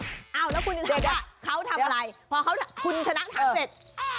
เขาทำอะไรเพราะเขาคุณสนับถามเสร็จ